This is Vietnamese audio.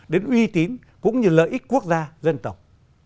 đến uy tín cũng như lợi ích quốc gia dân tộc